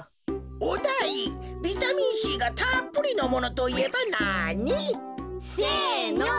おだいビタミンＣがたっぷりのものといえばなに？せの！